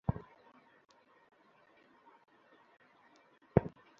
Sam, আমার কথা শোন!